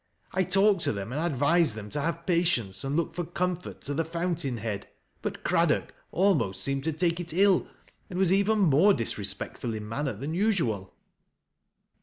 I talked to them and advised them to have patience, and look for comfort to the Fountain head; hut Craddock almost seemed to take it ill, and was even more disrespectful in manner than usual."